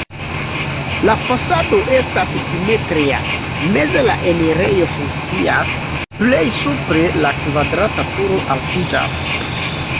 La fasado estas simetria, meze la enirejo funkcias, plej supre la kvadrata turo altiĝas.